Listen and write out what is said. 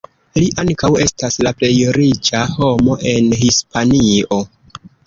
Li ankaŭ estas la plej riĉa homo en Hispanio.